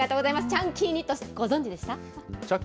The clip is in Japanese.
チャンキーニット、ご存じでした？